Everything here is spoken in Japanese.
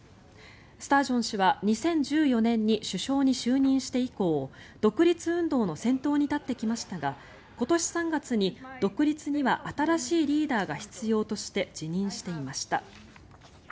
スタージョン氏は２０１４年に首相に就任して以降独立運動の先頭に立ってきましたが、今年３月に独立には新しいリーダーが必要として辞任していました。